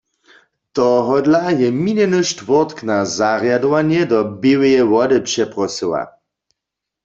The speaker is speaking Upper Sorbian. Tohodla je minjeny štwórtk na zarjadowanje do Běłeje Wody přeprosyła.